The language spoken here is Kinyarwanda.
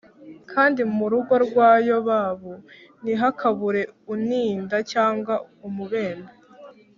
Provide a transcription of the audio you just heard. kandi mu rugo rwa Yobabu ntihakabure uninda cyangwa umubembe